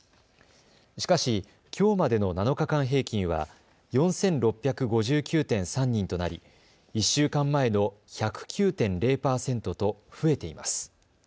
しかしきょうまでの７日間平均は４６５９．３人となり１週間前の１０９．０％と増えています。